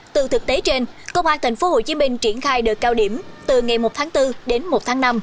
từ thực tế trên công an tp hcm triển khai đợt cao điểm từ ngày một tháng bốn đến một tháng năm